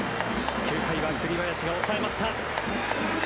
９回は栗林が抑えました。